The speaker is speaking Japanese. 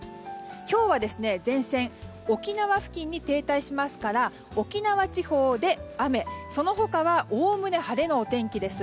今日は前線沖縄付近に停滞しますから沖縄地方で雨、その他はおおむね晴れのお天気です。